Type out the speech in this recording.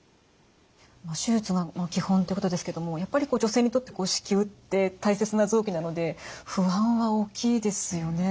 手術が基本ってことですけどやっぱり女性にとって子宮って大切な臓器なので不安は大きいですよね？